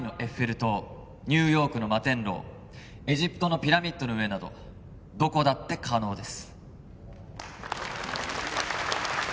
塔ニューヨークの摩天楼エジプトのピラミッドの上などどこだって可能です